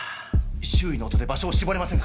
周囲の音で場所を絞れませんか？